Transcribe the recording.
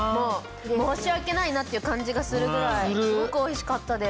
申し訳ないなっていう感じがするぐらいすごくおいしかったです。